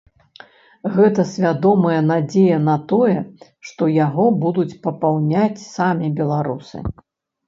Гэта свядомая надзея на тое, што яго будуць папаўняць самі беларусы.